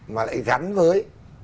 mà lại gắn với